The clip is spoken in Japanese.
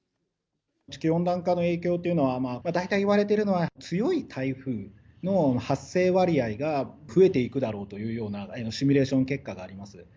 地球温暖化の影響というのは、大体いわれているのは、強い台風の発生割合が増えていくだろうというようなシミュレーション結果があります。